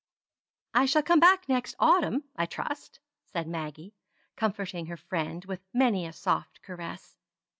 "I shall come back the next autumn, I trust," said Maggie, comforting her friend with many a soft caress.